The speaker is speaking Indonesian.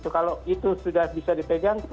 kalau itu sudah bisa dipegang